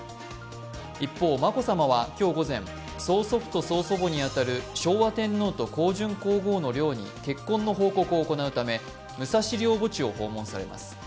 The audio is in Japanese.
一方、眞子さまは今日午前、曽祖父と曽祖母に当たる昭和天皇と香淳皇后の陵に結婚の報告を行うため武蔵陵墓地を訪問されます。